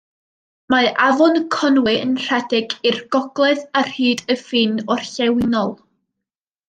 Mae Afon Conwy yn rhedeg i'r gogledd ar hyd y ffin orllewinol.